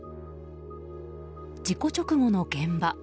事故直後の現場。